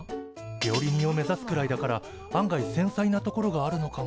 料理人を目指すくらいだから案外せんさいなところがあるのかも。